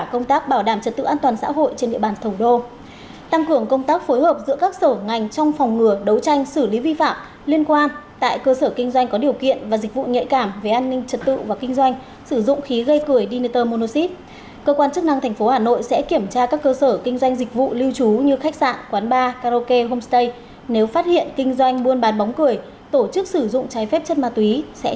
cơ quan chức năng tp hcm sẽ xử lý nghiêm cơ sở kinh doanh dịch vụ lưu trú như khách sạn quán bar karaoke homestay nếu như phát hiện kinh doanh buôn bán bóng cười tổ chức sử dụng trái phép chất ma túy